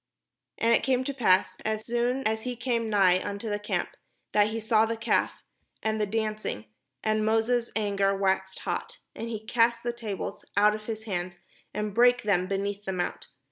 And it came to pass, as soon as he came nigh unto the camp, that he saw the calf, and the dancing; 538 THE JOURNEY TO THE PROMISED LAND and Moses' anger waxed hot, and he cast the tables out of his hands, and brake them beneath the mount.